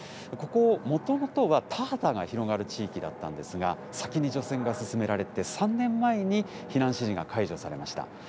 ここ、もともとは田畑が広がる地域だったんですが、先に除染が進められて、３年前に避難指示が解除されました。